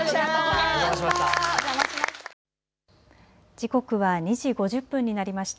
時刻は２時５０分になりました。